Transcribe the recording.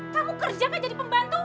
kamu kerja gak jadi pembantu